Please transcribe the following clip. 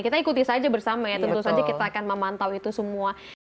kita ikuti saja bersama ya tentu saja kita akan memantau itu semua